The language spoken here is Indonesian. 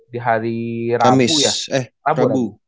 di hari rabu ya